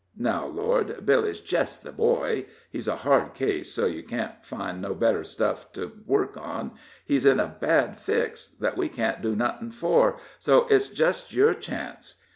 Now, Lord, Billy's jest the boy he's a hard case, so you can't find no better stuff to work on he's in a bad fix, thet we can't do nuthin' fur, so it's jest yer chance.